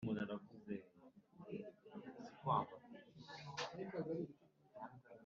yari yubakishije aherako abyubakisha i Geba